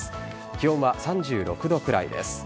気温は３６度くらいです。